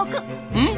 うん？